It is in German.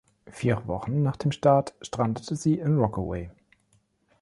Vier Wochen nach dem Start strandete sie in Rockaway.